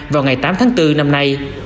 vào ngày tám tháng bốn năm nay